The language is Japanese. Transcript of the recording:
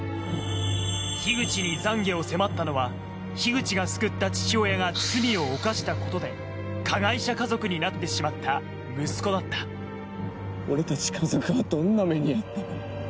口が救った父親が罪を犯したことで加害者家族になってしまった息子だった俺たち家族はどんな目に遭ったか。